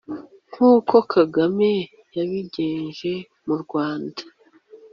nk’uko Kagame yabigenje mu Rwanda